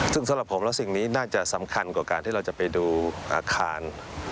ซึ่งสำหรับผมและสิ่งนี้น่าจะสำคัญกว่าการที่เราจะไปดูอาคาร